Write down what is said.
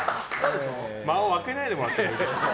間を空けないでもらっていいですか？